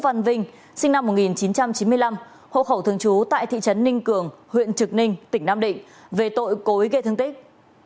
vũ văn vệ tỉnh nam định sinh năm một nghìn chín trăm chín mươi năm hộ khẩu thường trú tại thị trấn ninh cường huyện trực ninh tỉnh nam định về tội cố ý gây thương tích